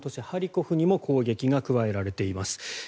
ハリコフにも攻撃が加えられています。